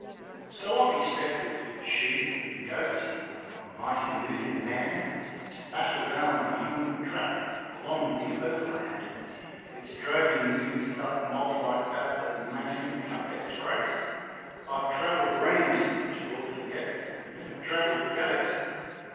So off he set with sheep and goats, a mighty moving band, To battle down the homeward track along the Overland It's droving mixed up mobs like that that makes men cut their throats. I've travelled rams, which Lord forget, but never travelled goats.